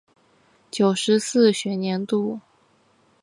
九十四学年度